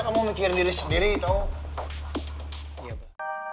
kamu mikirin diri sendiri tau